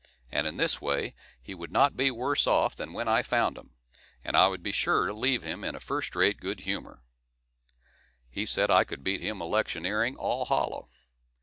And in this way he would not be worse off than when I found him; and I would be sure to leave him in a first rate good humour. He said I could beat him electioneering all hollow.